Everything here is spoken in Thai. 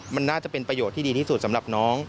มันน่าจะเป็นประโยชน์ที่ดีที่สุดสำหรับน้อง